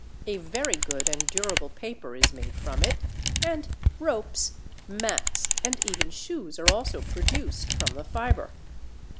A very good and durable paper is made from it, and ropes, mats, and even shoes are also produced from the fibre.